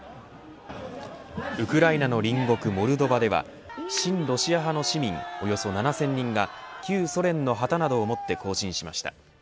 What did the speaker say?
ウクライナの隣国モルドバでは親ロシア派の市民およそ７０００人が旧ソ連の旗などを持って行進しました。